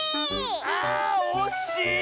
あおしい！